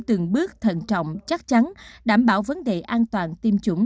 từng bước thận trọng chắc chắn đảm bảo vấn đề an toàn tiêm chủng